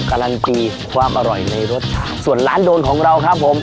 การันตีความอร่อยในรสชาติส่วนร้านโดนของเราครับผม